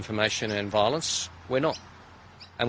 kita tidak dan kita tidak akan menyesuaikannya